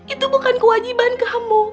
itu bukan kewajiban kamu